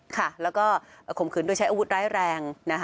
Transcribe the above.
ค่ะแล้วก็ข่มขืนโดยใช้อาวุธร้ายแรงนะคะ